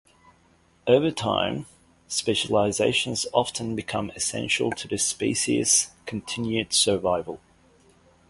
Over time, specializations often become essential to the species' continued survival.